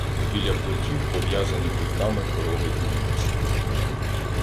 Біля плотів пов'язані гуртами корови і вівці.